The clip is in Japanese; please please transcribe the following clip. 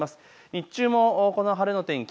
日中も晴れの天気。